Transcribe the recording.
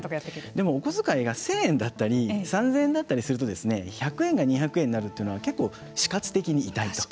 でも、お小遣いが１０００円だったり３０００円だったりすると１００円が２００円になるというのは結構、死活的に痛いと。